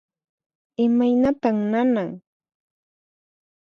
Imaynatan nanan?